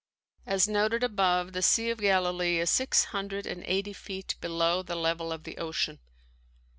As noted above, the Sea of Galilee is six hundred and eighty feet below the level of the ocean.